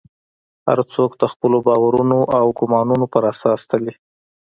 هر څوک د خپلو باورونو او ګومانونو پر اساس تلي.